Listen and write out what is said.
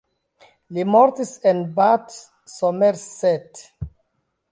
Li mortis en Bath, Somerset.